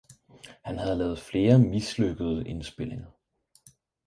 Han havde lavet flere mislykkede indspildninger.